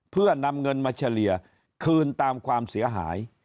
เพื่อนำเงินมาเฉลี่ยคืนตามความเสียหาย